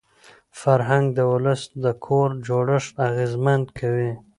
فرهنګ د ولس د کور جوړښت اغېزمن کوي.